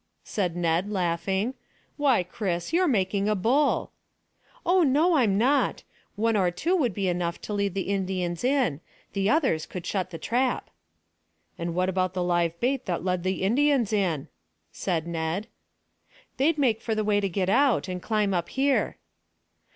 said Ned, laughing. "Why, Chris, you're making a bull." "Oh no, I'm not. One or two would be enough to lead the Indians in; the others could shut the trap." "And what about the live bait that led the Indians in?" said Ned. "They'd make for the way to get out, and climb up here."